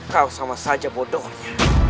kau sama saja bodohnya